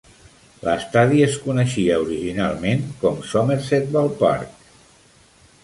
L'estadi es coneixia originalment com Somerset Ballpark.